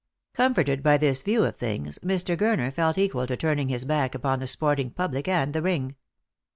Comforted by this view of things, Mr. Gurner felt equal to turning his back upon the sporting public and the ring.